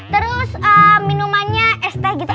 terus minumannya es teh gitu